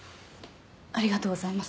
ありがとうございます。